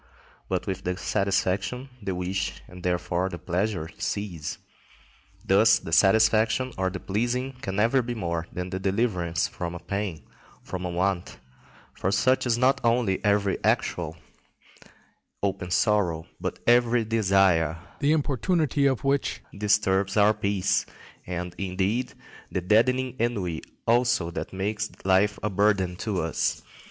But with the satisfaction the wish and therefore the pleasure cease. Thus the satisfaction or the pleasing can never be more than the deliverance from a pain, from a want; for such is not only every actual, open sorrow, but every desire, the importunity of which disturbs our peace, and, indeed, the deadening ennui also that makes life a burden to us.